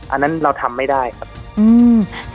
อันนั้นเราทำไม่ได้ครับ